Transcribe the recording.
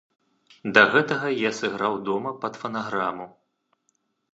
Да гэтага я сыграў дома пад фанаграму.